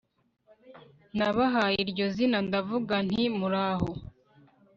nabahaye iryo zina ndavuga nti 'muraho'